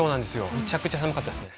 めちゃくちゃ寒かったですね。